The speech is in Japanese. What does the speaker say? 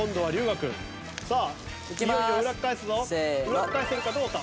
裏返せるかどうか？